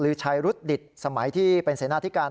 หรือชายรุฑดิตสมัยที่เป็นเสนาทิการ